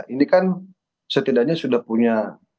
ini kan setidaknya sudah punya